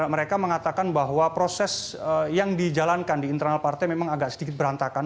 mereka mengatakan bahwa proses yang dijalankan di internal partai memang agak sedikit berantakan